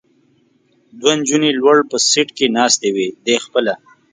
دوه نجونې لوړ په سېټ کې ناستې وې، دی خپله.